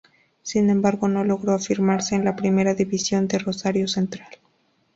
Sin embargo, no logró afirmarse en la primera división de Rosario Central.